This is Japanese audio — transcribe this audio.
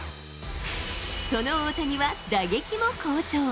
その大谷は打撃も好調。